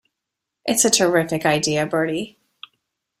It's a terrific idea, Bertie.